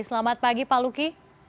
selamat pagi pak luki